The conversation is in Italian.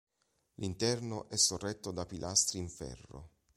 L'interno è sorretto da pilastri in ferro.